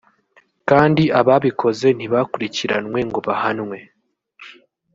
kandi ababikoze ntibakurikiranwe ngo bahanwe